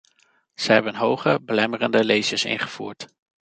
Ze hebben hoge, belemmerende leges ingevoerd.